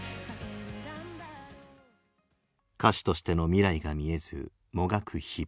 歌手としての未来が見えずもがく日々。